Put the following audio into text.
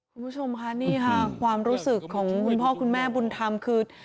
คุณผู้ชมค่ะนี่ค่ะความรู้สึกของคุณพ่อคุณแม่บุญธรรมคือ